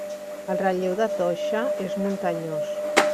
El relleu de Toixa és muntanyós.